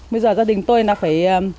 bây giờ gia đình tôi là phải